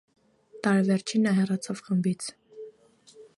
Տարեվերջին նա հեռացավ խմբից։